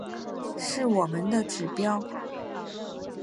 是我们的指标